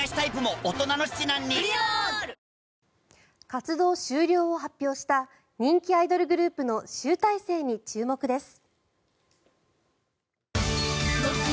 活動終了を発表した人気アイドルグループの集大成に注目です。